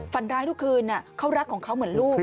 ฝันร้ายทุกคืนเขารักของเขาเหมือนลูก